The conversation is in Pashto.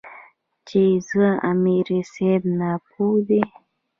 چې ځه امیر صېب ناپوهَ دے ـ